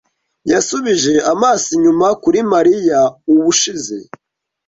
Yasubije amaso inyuma kuri Mariya ubushize.